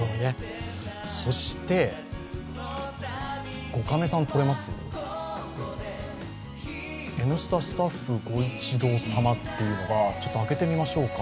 そして、「Ｎスタ」スタッフ御一同様というのを開けてみましょうか。